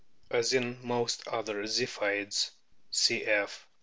As in most other Ziphioids (cf.